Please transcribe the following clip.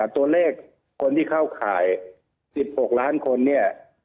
ตัวเลขคนที่เข้าข่าย๑๖ล้านคนเนี่ย